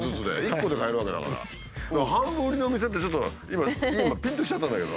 半分売りのお店ってちょっと今今ぴんときちゃったんだけど。